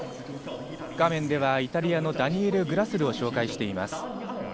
画面ではイタリアのダニエル・グラスルを紹介しています。